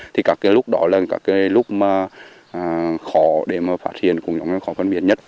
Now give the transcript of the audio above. thì các lúc đó là lúc khó để phát hiện cũng giống như khó phân biệt nhất